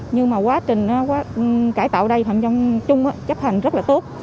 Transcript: nhưng mà quá trình cải tạo ở đây phạm nhân trung chấp hành rất là tốt